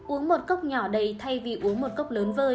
uống một cốc nhỏ đầy thay vì uống một cốc lớn vơi